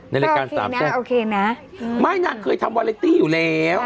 ในรายการสามีโอเคนะไม่นางเคยทำวาเลตี้อยู่แล้ว